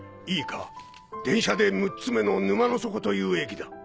いいか電車で６つ目の「沼の底」という駅だ。